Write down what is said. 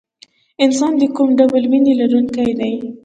انسان د کوم ډول وینې لرونکی دی